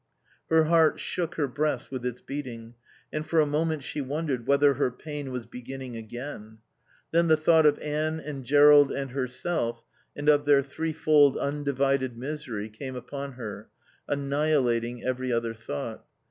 Her heart shook her breast with its beating, and for a moment she wondered whether her pain were beginning again. Then the thought of Anne and Jerrold and herself and of their threefold undivided misery came upon her, annihilating every other thought.